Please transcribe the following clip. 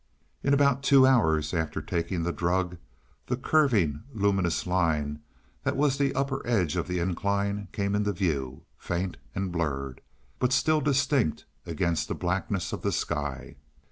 In about two hours after taking the drug the curving, luminous line that was the upper edge of the incline came into view, faint and blurred, but still distinct against the blackness of the sky.